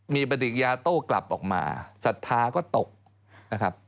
มีปฏิกิยาโต้กลับออกมาศรัทธาก็ตกนะครับ